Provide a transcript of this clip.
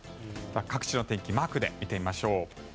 各地の天気マークで見てみましょう。